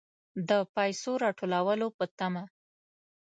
د پیسو راتوېدلو په طمع.